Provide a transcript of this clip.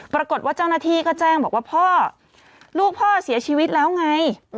ปรากฏว่าเจ้าหน้าที่ก็แจ้งบอกว่าพ่อลูกพ่อเสียชีวิตแล้วไง